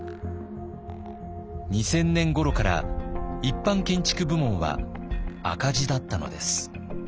２０００年ごろから一般建築部門は赤字だったのです。